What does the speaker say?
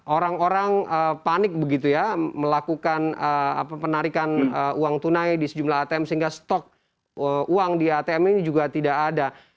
orang orang panik begitu ya melakukan penarikan uang tunai di sejumlah atm sehingga stok uang di atm ini juga tidak ada